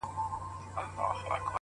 هوډ د نیمګړو امکاناتو ځواک راویښوي,